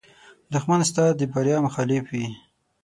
دښمن ستا د بریا مخالف وي